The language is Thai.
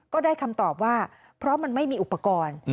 ก็ได้คำตอบว่าเพราะมันไม่มีอุปกรณ์